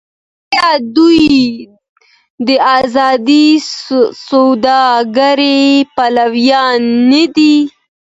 آیا دوی د ازادې سوداګرۍ پلویان نه دي؟